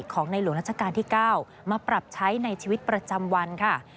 ของในหลวงราชการที่๙มาปรับใช้ในชีวิตประจำวันค่ะ